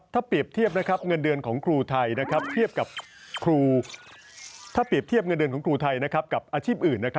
ถ้าเปรียบเทียบเงินเดือนของครูไทยกับอาชีพอื่น